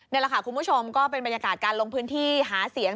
นี่แหละค่ะคุณผู้ชมก็เป็นบรรยากาศการลงพื้นที่หาเสียง